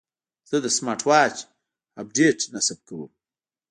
زه د سمارټ واچ اپډیټ نصب کوم.